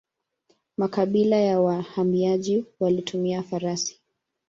Makabila ya wahamiaji walitumia farasi.